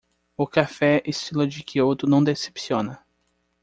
O café estilo de Quioto não decepciona.